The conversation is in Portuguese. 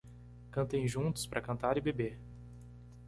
Cantem juntos para cantar e beber